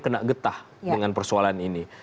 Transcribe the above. kena getah dengan persoalan ini